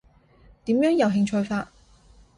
點樣有興趣法？